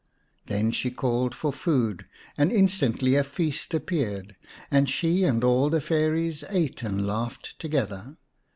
Then she called for food, and instantly a feast appeared, and she and all the Fairies ate and laughed together.